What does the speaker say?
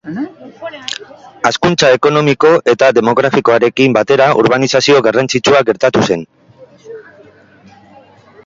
Hazkuntza ekonomiko eta demografikoarekin batera urbanizazio garrantzitsua gertatu zen.